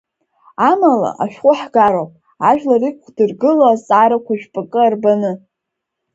Амала ашәҟәы ҳгароуп, ажәлар иқәдыргыло азҵаарақәа жәпакы арбаны.